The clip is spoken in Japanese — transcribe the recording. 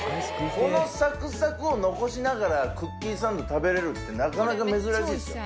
このサクサクを残しながらクッキーサンド食べれるってなかなか珍しいですよ